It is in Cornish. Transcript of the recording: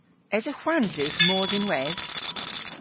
Esa hwans dhywgh mos ynwedh?